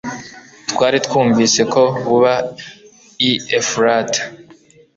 twari twumvise ko buba i efurata